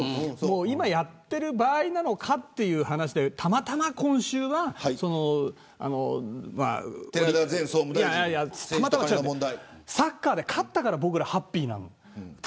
今、やってる場合なのかという話でたまたま今週はサッカーで勝ったから僕らはハッピーなんです。